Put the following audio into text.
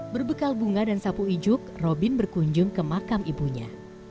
berbekal bunga dan sapu ijuk robin berkunjung ke makam ibunya